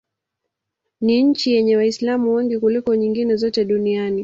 Ni nchi yenye Waislamu wengi kuliko nyingine zote duniani.